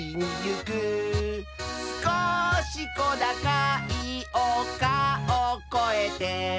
「すこしこだかいおかをこえて」